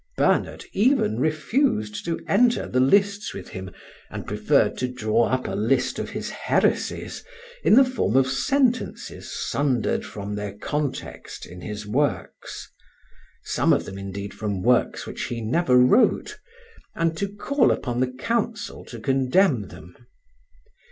Bernard even refused to enter the lists with him; and preferred to draw up a list of his heresies, in the form of sentences sundered from their context in his works, some of them, indeed, from works which he never wrote, and to call upon the council to condemn them.